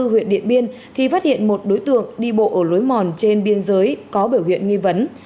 huyện điện biên thì phát hiện một đối tượng đi bộ ở lối mòn trên biên giới có biểu hiện nghi vấn